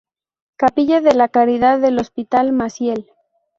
Capilla de la Caridad del Hospital Maciel